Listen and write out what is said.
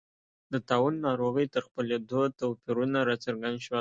د طاعون ناروغۍ تر خپرېدو توپیرونه راڅرګند شول.